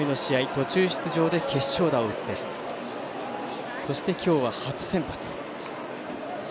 途中出場で決勝打を打ってそして、今日は初先発。